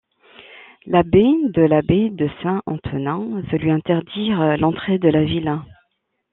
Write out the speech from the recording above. L'Abbé de l'abbaye de Saint-Antonin veut lui interdire l'entrée de la ville.